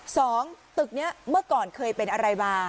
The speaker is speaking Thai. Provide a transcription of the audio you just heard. สองตึกนี้เมื่อก่อนเคยเป็นอะไรมา